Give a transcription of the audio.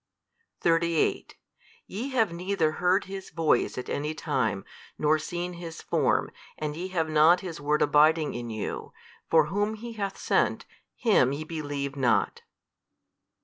38 Ye have neither heard His Voice at any time nor seen His Form and ye have not His Word abiding in you, for Whom HE hath sent, Him YE believe not.